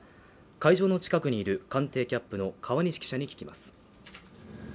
会場の近くにいる官邸キャップの川西記者に聞きます。